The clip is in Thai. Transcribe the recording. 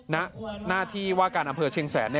ณหน้าที่ว่าการอำเภอเชียงแสน